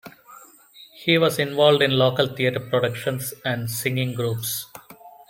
He was involved in local theater productions and singing groups.